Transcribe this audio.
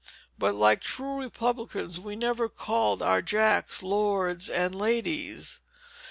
But like true republicans we never called our jacks lords and ladies.